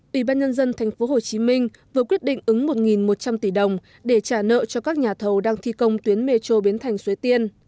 ủy ban nhân dân tp hcm vừa quyết định ứng một một trăm linh tỷ đồng để trả nợ cho các nhà thầu đang thi công tuyến metro biến thành suối tiên